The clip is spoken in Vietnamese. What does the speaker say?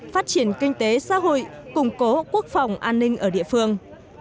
phát triển kinh tế xã hội củng cố quốc phòng an ninh ở địa phương